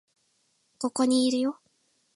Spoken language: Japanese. ここにいるよ